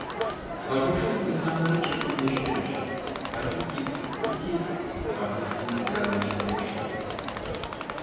Sarhoşluk insanları çirkinleştirir, halbuki bu ki, sarhoşluğu güzelleştirmişti.